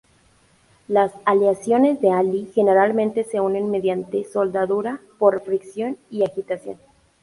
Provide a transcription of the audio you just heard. Las aleaciones de Al–Li generalmente se unen mediante soldadura por fricción y agitación.